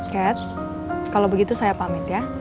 cat kalau begitu saya pamit ya